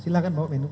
silahkan pak menhub